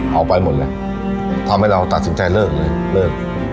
เอาไปหมดแล้วทำให้เราตัดสินใจเลิกเลยเลิก